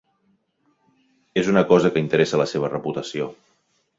És una cosa que interessa la seva reputació.